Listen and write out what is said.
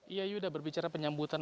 iya yuda berbicara penyambutan